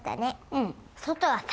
うん。